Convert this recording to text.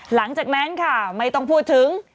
หลังจากนั้นค่ะไม่ต้องพูดถึง